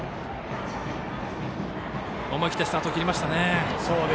思い切ってスタートを切りましたね。